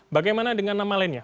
bagaimana dengan nama lainnya